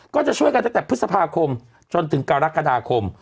ก็จะช่วยกันตั้งแต่พฤษภาคมจนถึงกรกฎาคม